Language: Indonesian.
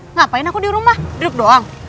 ngapain aku di rumah duduk doang